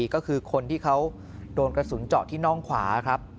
ก็คือคนที่เขาโดนกระสุนเจาะที่น่องขวาครับ